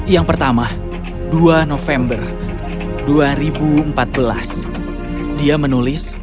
yang pertama dua november dua ribu empat belas dia menulis